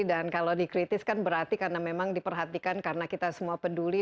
dan kalau dikritis kan berarti karena memang diperhatikan karena kita semua peduli